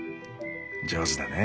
上手だね。